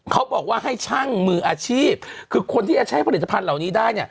เขาบอกว่าให้ช่างมืออาชีพคือคนที่จะใช้ผลิตภัณฑ์เหล่านี้ได้เนี่ย